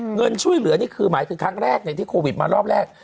เงินช่วยเหลือนี่คือหมายคือครั้งแรกที่โควิดมารอบแรก